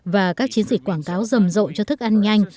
và các chiến dịch quảng cáo rầm rộn cho thức ăn nhanh